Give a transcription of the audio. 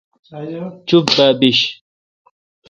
چپ با بیش۔